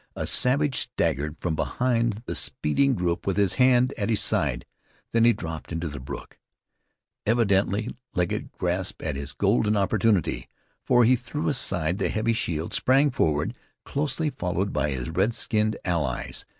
A savage staggered from behind the speeding group with his hand at his side. Then he dropped into the brook. Evidently Legget grasped this as a golden opportunity, for he threw aside the heavy shield and sprang forward, closely followed by his red skinned allies.